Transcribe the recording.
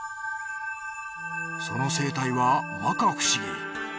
その生態はまか不思議。